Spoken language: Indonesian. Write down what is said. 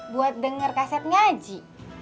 buat denger kaset ngaji